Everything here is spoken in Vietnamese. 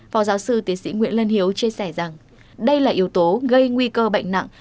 phó giáo sư tiến sĩ nguyễn lân hiếu chia sẻ rằng đây là yếu tố gây nguy cơ bệnh nặng